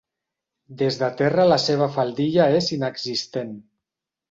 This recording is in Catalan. Des de terra la seva faldilla és inexistent.